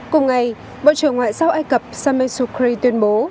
cùng ngày bộ trưởng ngoại giao ai cập sameh sukri tuyên bố